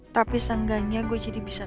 tapi seenggaknya gue jadi bisa